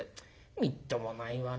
みっともないわね